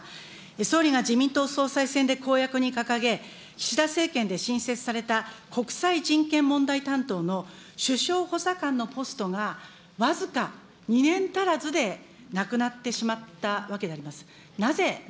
総理が自民党総裁選で公約に掲げ、岸田政権で新設された国際人権問題担当の首相補佐官のポストが、僅か２年足らずでなくなってしまったわけであります。